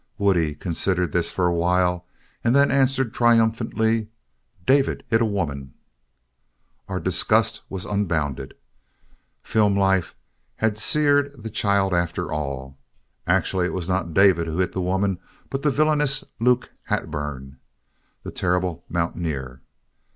Woodie considered this for a while and then answered triumphantly, "David hit a woman." Our disgust was unbounded. Film life had seared the child after all. Actually, it was not David who hit the woman but the villainous Luke Hatburn, the terrible mountaineer.